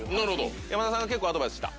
山田さんが結構アドバイスした？